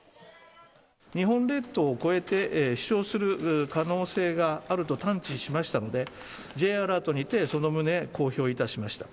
日本列島を越えて、飛しょうする可能性があると探知しましたので、Ｊアラートにて、その旨公表いたしました。